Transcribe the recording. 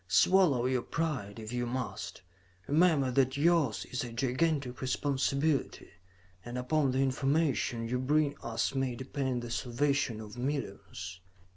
Swallow your pride if you must; remember that yours is a gigantic responsibility, and upon the information you bring us may depend the salvation of millions.